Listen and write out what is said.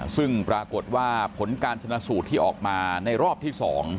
ซึ่งปรากฏว่าผลการชนะสูตรที่ออกมาในรอบที่๒